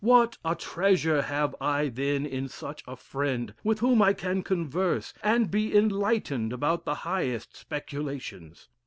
What a treasure have I then in such a friend with whom I can converse, and be enlightened about the highest speculations!"